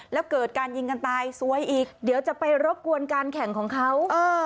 แล้วเกิดการยิงกันตายซวยอีกเดี๋ยวจะไปรบกวนการแข่งของเขา